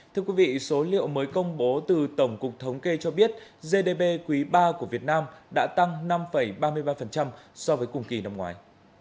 thưa quý vị số liệu mới công bố từ tổng cục thống kê cho biết gdp quý ba của việt nam đã tăng năm ba mươi ba so với cùng kỳ năm ngoài